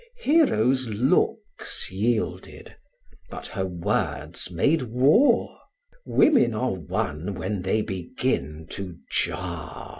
Hero's looks yielded, but her words made war: Women are won when they begin to jar.